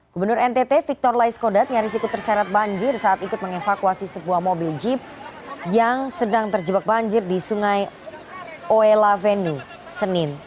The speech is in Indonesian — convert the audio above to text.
gubernur ntt victor laiskodat nyaris ikut terseret banjir saat ikut mengevakuasi sebuah mobil jeep yang sedang terjebak banjir di sungai oela venue senin